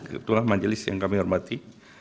itulah majelis yang kami hormati